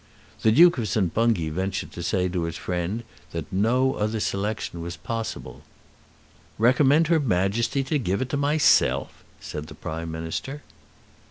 The Duke of St. Bungay ventured to say to his friend that no other selection was possible. "Recommend her Majesty to give it to myself!" said the Prime Minister.